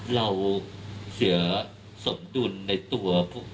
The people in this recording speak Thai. เราเสียสมดุลในตัวพวก